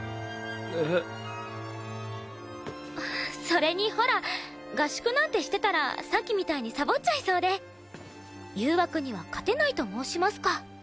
それにほら合宿なんてしてたらさっきみたいにサボっちゃいそうで誘惑には勝てないと申しますか。